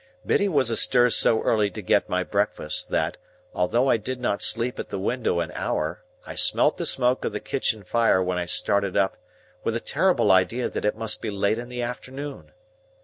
Biddy was astir so early to get my breakfast, that, although I did not sleep at the window an hour, I smelt the smoke of the kitchen fire when I started up with a terrible idea that it must be late in the afternoon.